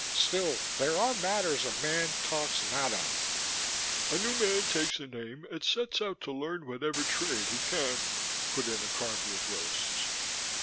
Still, there are matters a man talks not of " "A newman takes a name and sets out to learn whatever trade he can," put in the Carver of Roasts.